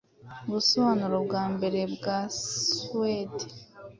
Ubusobanuro bwa mbere bwa Suwede